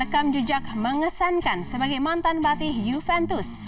rekam jujak mengesankan sebagai mantan batik juventus